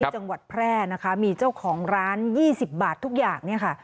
จังหวัดแพร่นะคะมีเจ้าของร้าน๒๐บาททุกอย่างเนี่ยค่ะ